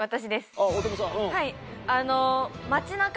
あっ大友さん。